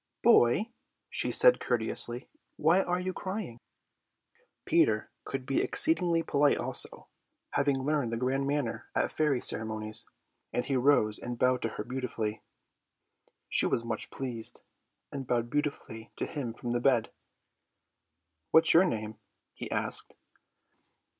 "Boy," she said courteously, "why are you crying?" Peter could be exceeding polite also, having learned the grand manner at fairy ceremonies, and he rose and bowed to her beautifully. She was much pleased, and bowed beautifully to him from the bed. "What's your name?" he asked.